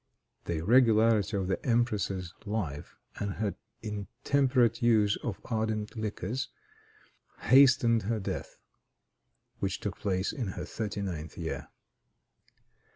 The irregularity of the empress's life, and her intemperate use of ardent liquors, hastened her death, which took place in her thirty ninth year.